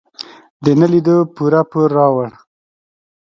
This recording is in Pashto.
د نه لیدو پوره پور راوړ.